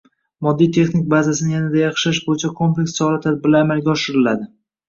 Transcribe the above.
moddiy-texnik bazasini yanada yaxshilash bo‘yicha kompleks chora-tadbirlar amalga oshiriladi.